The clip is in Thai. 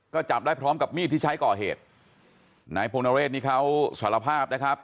ก็จับได้พร้อมกับมีดที่ใช้ก่อเหตุนายพงนเรศนี่เขาสารภาพนะครับ